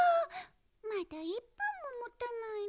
まだ１ぷんももたないの。